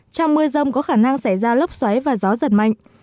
trong mưa rông có khả năng xảy ra lốc xoáy và gió giật mạnh